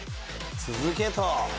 続けと。